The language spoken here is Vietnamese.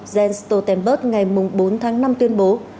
jens stoltenberg ngày bốn tháng năm tuyên bố